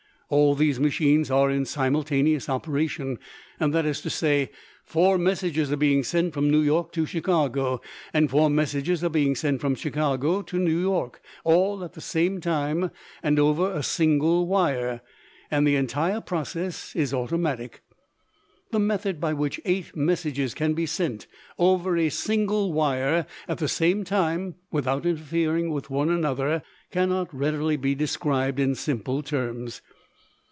All these machines are in simultaneous operation; that is to say, four messages are being sent from New York to Chicago, and four messages are being sent from Chicago to New York, all at the same time and over a single wire, and the entire process is automatic. The method by which eight messages can be sent over a single wire at the same time without interfering with one another cannot readily be described in simple terms.